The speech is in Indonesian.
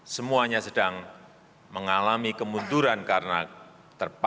semuanya sedang mengalami kemunduran karena terpapar